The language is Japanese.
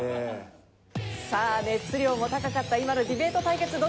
さあ熱量も高かった今のディベート対決